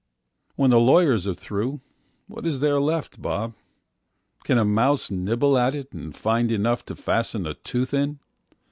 When the lawyers are throughWhat is there left, Bob? Can a mouse nibble at itAnd find enough to fasten a tooth in?